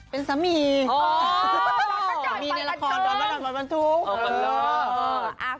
เป็นสมีย์มีในละครบนบันทุกข์